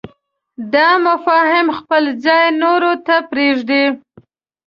دا مفاهیم خپل ځای نورو ته پرېږدي.